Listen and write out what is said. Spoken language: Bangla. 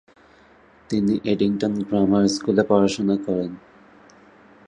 তিনি এডিংটন গ্রামার স্কুলে পড়াশোনা করেন।